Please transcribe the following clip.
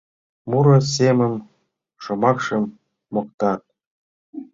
Муро семым, шомакшым моктат.